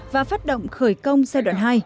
và phát động khởi công giai đoạn hai